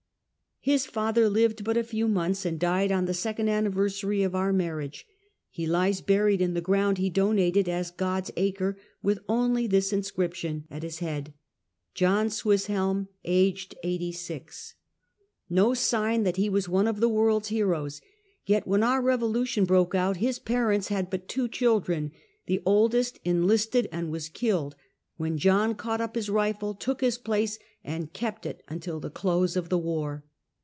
His father lived but. a few months, and died on the second anni versary of our marriage. He lies buried in the ground he donated as " God's acre," with only this inscription at his head: "John Swisshelm, aged 86." ITo sign Habitations of Hoerid Cbuelty. 51 that he was one of the world's heroes — yet, when our revolution broke out, his parents had but two children. The oldest enlisted and was killed, when John caught up his rifle, took his place, and kept it until the close of the war.